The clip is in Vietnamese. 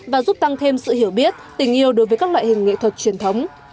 và giúp tăng thêm sự hiểu biết tình yêu đối với các loại hình nghệ thuật truyền thống